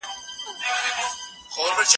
زه اوس کتابونه لولم.